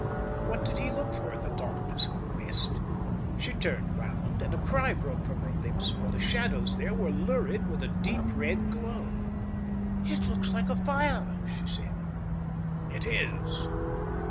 What did he look for in the darkness of the west? She turned round, and a cry broke from her lips, for the shadows there were lurid with a deep red glow. "It looks like a fire," she said. "It is.